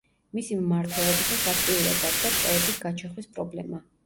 მისი მმართველობისას აქტიურად დადგა ტყეების გაჩეხვის პრობლემა.